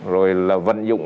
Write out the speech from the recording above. rồi là vận dụng